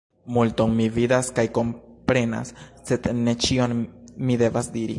Multon mi vidas kaj komprenas, sed ne ĉion mi devas diri.